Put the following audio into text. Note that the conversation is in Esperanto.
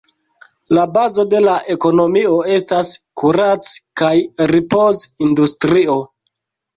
La bazo de la ekonomio estas kurac- kaj ripoz-industrio.